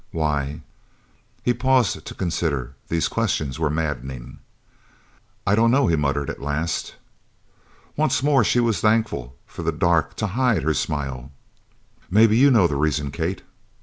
"Why?" His pauses to consider these questions were maddening. "I don't know," he muttered at last. Once more she was thankful for the dark to hide her smile. "Maybe you know the reason, Kate?"